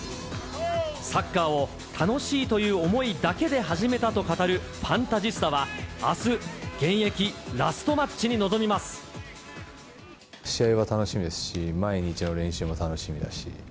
サッカーを楽しいという思いだけで始めたと語るファンタジスタはあす、試合は楽しみですし、毎日の練習も楽しみだし。